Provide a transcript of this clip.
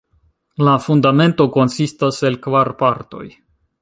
La Fundamento konsistas el kvar partoj.